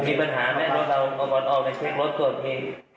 มีปัญหาไหมเราเอาออกไปเทครถตรวจพิษ